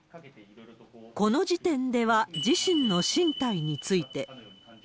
この時点では自身の進退について。